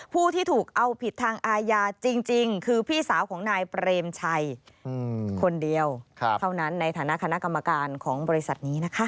ผู้ที่ถูกเอาผิดทางอาญาจริงคือพี่สาวของนายเปรมชัยคนเดียวเท่านั้นในฐานะคณะกรรมการของบริษัทนี้นะคะ